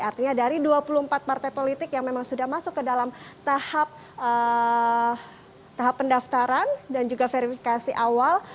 artinya dari dua puluh empat partai politik yang memang sudah masuk ke dalam tahap pendaftaran dan juga verifikasi awal